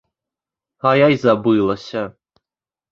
А я і забылася.